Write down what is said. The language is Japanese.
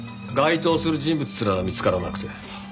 該当する人物すら見つからなくて。